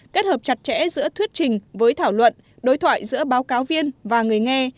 kết hợp chặt chẽ giữa thuyết trình với thảo luận đối thoại giữa báo cáo viên và người nghe